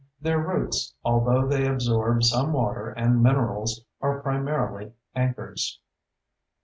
Their roots, although they absorb some water and minerals, are primarily anchors.